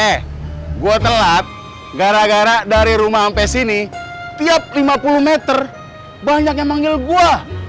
eh gue telat gara gara dari rumah sampai sini tiap lima puluh meter banyak yang manggil gue